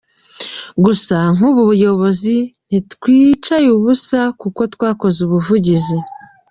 Gusa nk’ubuyobozi ntitwicaye ubusa kuko twakoze ubuvugizi.